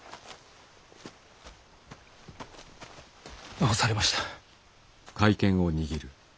どうされました？